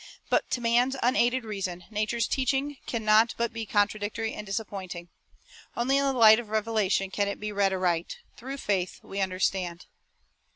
But to man's unaided reason, nature's teaching can not but be contradictory and disappointing. Only in the light of revelation can it be read aright. "Through faith we understand."